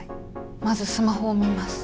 まずスマホを見ます。